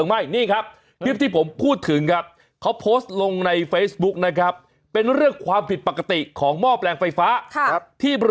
เหตุการณ์เผลิงไหม้